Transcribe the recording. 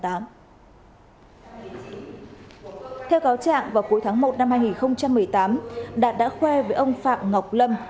theo cáo trạng vào cuối tháng một năm hai nghìn một mươi tám đạt đã khoe với ông phạm ngọc lâm